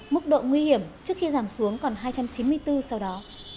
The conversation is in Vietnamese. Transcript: mức độ nguy hiểm trước khi giảm xuống còn hai trăm chín mươi bốn sau đó